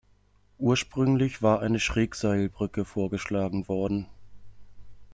Ursprünglich war eine Schrägseilbrücke vorgeschlagen worden.